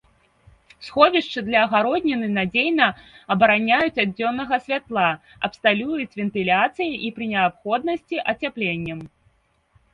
Сховішчы для агародніны надзейна абараняюць ад дзённага святла, абсталююць вентыляцыяй і, пры неабходнасці, ацяпленнем.